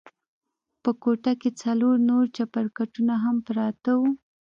په کوټه کښې څلور نور چپرکټونه هم پراته وو.